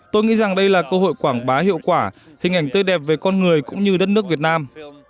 tôi nghĩ rằng đây là cơ hội quảng bá hiệu quả hình ảnh tươi đẹp về con người cũng như đất nước việt nam